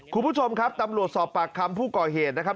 คุณผู้ชมครับตำรวจสอบปากคำผู้ก่อเหตุนะครับ